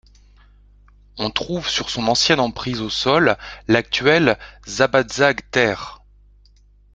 On trouve sur son ancienne emprise au sol l'actuelle Szabadság tér.